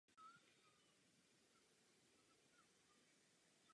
Tento zvon se jako jediný dochoval.